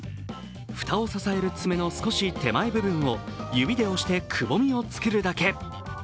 蓋を支える爪の少し手前部分を指で押してくぼみをつけるだけ。